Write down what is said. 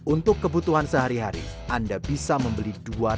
untuk kebutuhan sehari hari anda bisa membeli dua ratus sembilan puluh juta euro